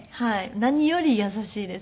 何より優しいです。